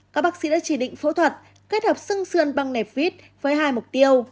các bác sĩ đã chỉ định phẫu thuật kết hợp xương xườn bằng nẹp vít với hai mục tiêu